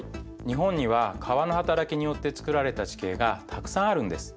日本には川のはたらきによってつくられた地形がたくさんあるんです。